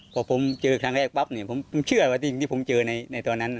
พอผมเจอครั้งแรกปั๊บเนี่ยผมเชื่อว่าสิ่งที่ผมเจอในตอนนั้น